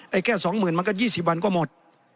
ไอ้แค่๒๐๐๐๐มันก็๒๐วันแล้วใช้ก็หมด